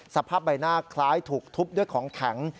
สภาพใบหน้าคล้ายถูกทุบด้วยของแข็ง